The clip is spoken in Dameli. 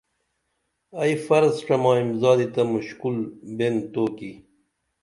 ائی فرض ڇمائیم زادی تہ مُشکُل بین تو کی